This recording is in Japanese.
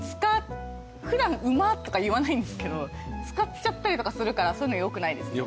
普段「うま」とか言わないんですけど使っちゃったりとかするからそういうのよくないですね。